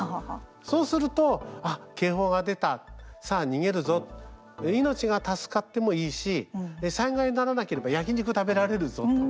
そうすると、あ、警報が出たさあ逃げるぞ命が助かってもいいし災害にならなければ焼き肉食べられるぞと。